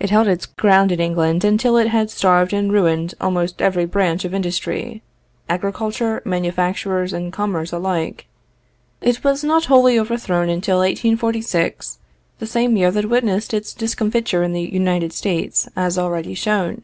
It held its ground in England until it had starved and ruined almost every branch of industry agriculture, manufactures, and commerce alike. It was not wholly overthrown until 1846, the same year that witnessed its discomfiture in the United States, as already shown.